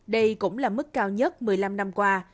đây cũng là mức cao nhất một mươi năm năm qua